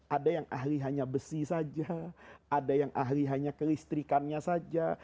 ada yang ahli hanya besi saja ada yang ahli hanya kelistrikannya saja